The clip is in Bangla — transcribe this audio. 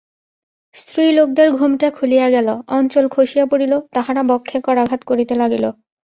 স্ত্রীলোকদের ঘোমটা খুলিয়া গেল, অঞ্চল খসিয়া পড়িল, তাহারা বক্ষে করাঘাত করিতে লাগিল।